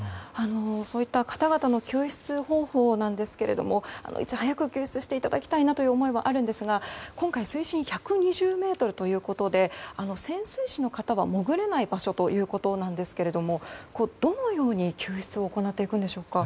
そういった方々の救出方法ですけれどいち早く救出してもらいたいなという思いもあるんですが今回、水深１２０ｍということで潜水士の方は潜れない場所ということなんですけどどのように救出を行っていくんでしょうか。